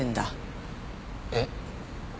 えっ？